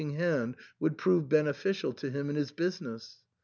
ing hand would prove beneficial to him in his business.